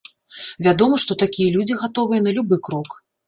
Вядома, што такія людзі гатовыя на любы крок.